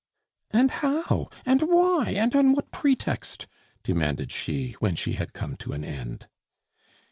"And how? and why? And on what pretext?" demanded she, when she had come to an end.